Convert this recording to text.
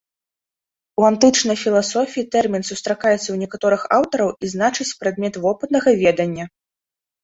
У антычнай філасофіі тэрмін сустракаецца ў некаторых аўтараў і значыць прадмет вопытнага ведання.